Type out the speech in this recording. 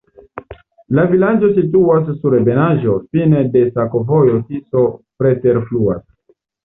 La vilaĝo situas sur ebenaĵo, fine de sakovojo, Tiso preterfluas.